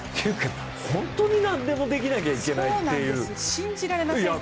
本当に何でもできなきゃいけないっていう。